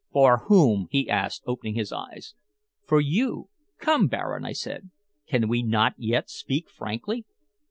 "For whom?" he asked, opening his eyes. "For you. Come, Baron," I said, "can we not yet speak frankly?"